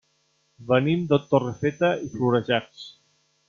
Venim de Torrefeta i Florejacs.